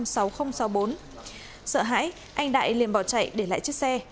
sợ hãi anh đại liền bỏ chạy để lại chiếc xe